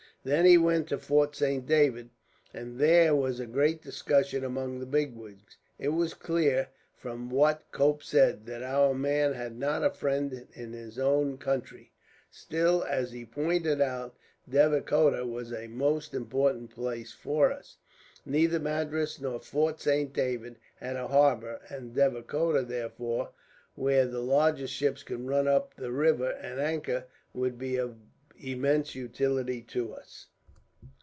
"Then he went to Fort Saint David, and there was a great discussion among the bigwigs. It was clear, from what Cope said, that our man had not a friend in his own country. Still, as he pointed out, Devikota was a most important place for us. Neither Madras nor Fort Saint David has a harbour; and Devikota, therefore, where the largest ships could run up the river and anchor, would be of immense utility to us.